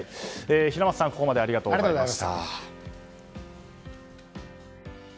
平松さん、ここまでありがとうございました。